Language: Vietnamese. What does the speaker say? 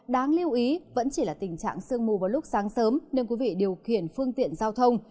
đáng lưu ý vẫn chỉ là tình trạng sương mù vào lúc sáng sớm nên quý vị điều khiển phương tiện giao thông